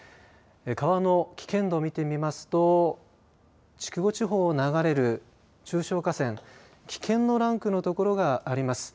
川の危険度、見てみますと筑後地方を流れる中小河川危険のランクの所があります。